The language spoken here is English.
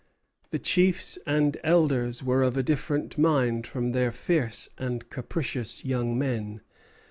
'" The chiefs and elders were of a different mind from their fierce and capricious young men.